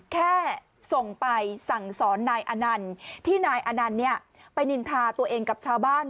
แค่ส่งไปสั่งสอนนายอนันต์ที่นายอนันต์ไปนินทาตัวเองกับชาวบ้าน